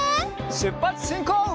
しゅっぱつしんこう！